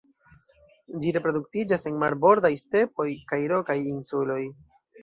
Ĝi reproduktiĝas en marbordaj stepoj kaj rokaj insuloj.